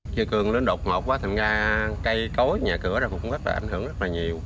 chiều cường lớn độc ngọt quá thậm ra cây cối nhà cửa cũng rất là ảnh hưởng rất là nhiều